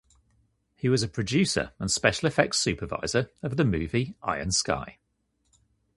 He was a producer and special-effects supervisor of the movie "Iron Sky".